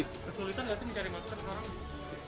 kesulitan nggak sih mencari masker sekarang